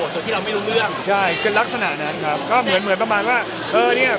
แสดงว่าเหมือนว่าเอาตัวเราก็เป็นเพื่อนการโปรโมท